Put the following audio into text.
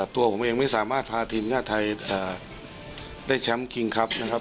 ตัวผมเองไม่สามารถพาทีมชาติไทยได้แชมป์คิงครับนะครับ